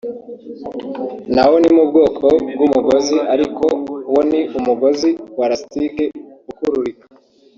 nawo ni mu bwoko bw’umugozi ariko wo ni umugozi wa lasitike ukururika